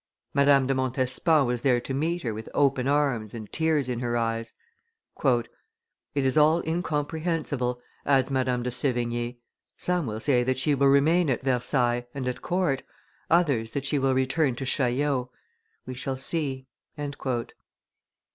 Madame de Montespan was there to meet her with open arms and tears in her eyes." "It is all incomprehensible," adds Madame de Sevigne; "some say that she will remain at Versailles, and at court, others that she will return to Chaillot; we shall see."